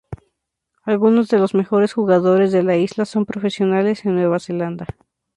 Algunos de los mejores jugadores de la isla son profesionales en Nueva Zelanda.